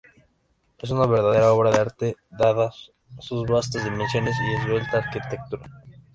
Es una verdadera obra de arte dadas sus vastas dimensiones y esbelta arquitectura.